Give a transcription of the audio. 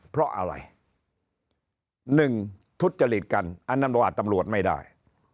เพราะอะไรหนึ่งทุจจลิตกันอนุญาตตำรวจไม่ได้